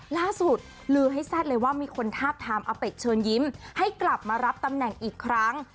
ลือให้แซ่ดเลยว่ามีคนทาบทามอเป็ดเชิญยิ้มให้กลับมารับตำแหน่งอีกครั้ง